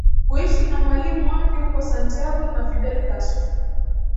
Kuishi na mwalimu wake huko Santiago na Fidel Castro